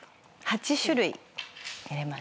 ８種類入れました。